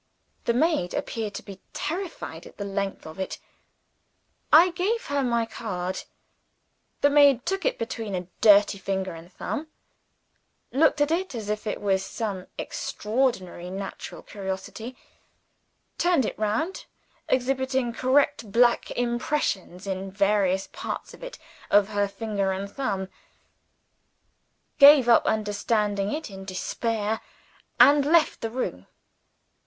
The maid appeared to be terrified at the length of it. I gave her my card. The maid took it between a dirty finger and thumb looked at it as if it was some extraordinary natural curiosity turned it round, exhibiting correct black impressions in various parts of it of her finger and thumb gave up understanding it in despair, and left the room.